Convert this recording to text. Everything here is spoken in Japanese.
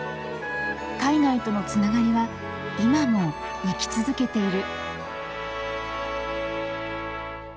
海外とのつながりは今も生き続けている。